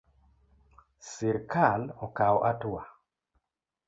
Sirkal okaw atua